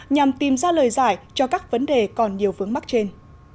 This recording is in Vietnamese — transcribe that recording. nhằm tìm ra lời giải cho các vấn đề còn nhiều vướng mắc trên